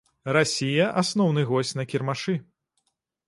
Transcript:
Расія асноўны госць на кірмашы.